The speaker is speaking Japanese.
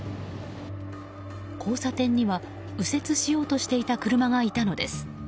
交差点には右折しようとしていた車がいたのです。